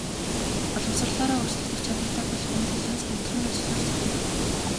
Боловсролоороо өрсөлдөх чадвартай болгохын төлөө хамтран ажиллавал зохино.